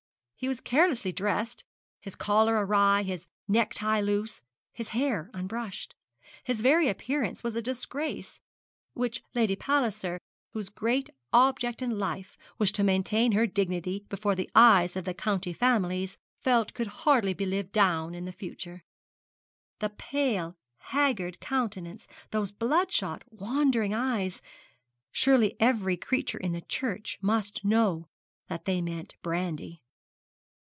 He was carelessly dressed, his collar awry, his necktie loose, his hair unbrushed. His very appearance was a disgrace, which Lady Palliser, whose great object in life was to maintain her dignity before the eyes of the county families, felt could hardly be lived down in the future. That pale haggard countenance, those bloodshot, wandering eyes, surely every creature in the church must know that they meant brandy!